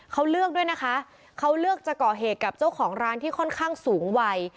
เขาเลือกด้วยนะคะเขาเลือกจะก่อเหตุกับเจ้าของร้านที่ค่อนข้างสูงวัย